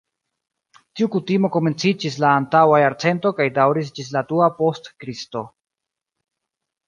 Tiu kutimo komenciĝis la antaŭa jarcento kaj daŭris ĝis la dua post Kristo.